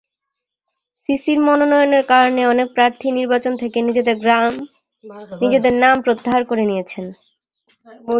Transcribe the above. সিসির মনোনয়নের কারণে অনেক প্রার্থীই নির্বাচন থেকে নিজেদের নাম প্রত্যাহার করে নিয়েছেন।